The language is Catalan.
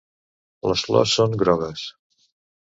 Les flors són grogues.